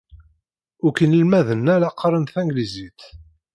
Akk inelmaden-a la qqaren tanglizit.